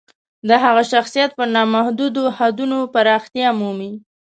د هغه شخصیت تر نامحدودو حدونو پراختیا مومي.